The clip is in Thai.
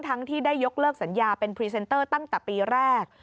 ที่ได้ยกเลิกสัญญาเป็นพรีเซนเตอร์ตั้งแต่ปีแรก